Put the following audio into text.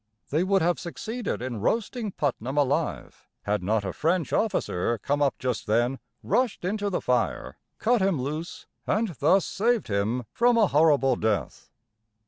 They would have succeeded in roasting Putnam alive, had not a French officer come up just then, rushed into the fire, cut him loose, and thus saved him from a horrible death.